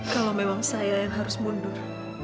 kalau memang saya yang harus mundur